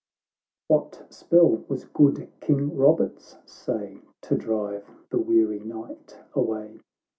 XXVII "What spell was good King Robert's, say, To drive the weary night away